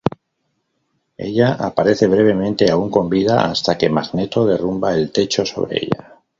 Ella aparece brevemente, aún con vida, hasta que Magneto derrumba el techo sobre ella.